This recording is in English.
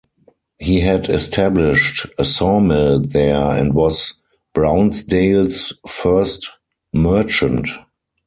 He had established a sawmill there and was Brownsdale's first merchant.